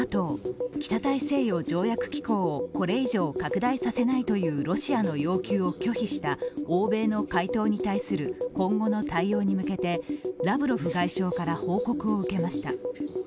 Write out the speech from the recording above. ＮＡＴＯ＝北大西洋条約機構をこれ以上拡大させないというロシアの要求を拒否した欧米の回答に対する今後の対応に向けてラブロフ外相から報告を受けました。